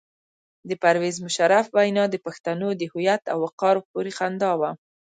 د پرویز مشرف وینا د پښتنو د هویت او وقار پورې خندا وه.